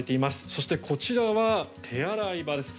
そして、こちらは手洗い場です。